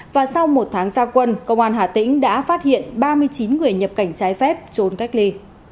và sau một tháng gia quân công an hà tĩnh đã phát hiện ba mươi chín người nhập cảnh trái phép trốn cách ly